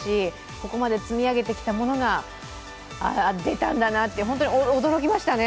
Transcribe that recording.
ここまで積み上げてきたものが出たんだなと、本当に驚きましたね。